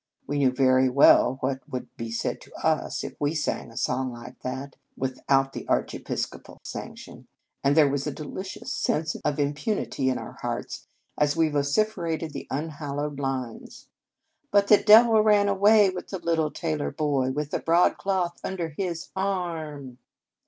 We knew very well what would be said to us, if we sang a song like that, without the Archiepiscopal sanction, and there was a delicious sense of impunity in 123 In Our Convent Days our hearts, as we vociferated the un hallowed lines: " But the Devil ran away with the little tailor boy, With the broadcloth under his arm."